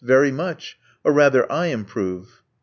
Very much. Or rather I improve."